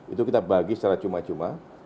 itu kita bagi secara cuma cuma